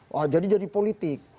wah jadi jadi politik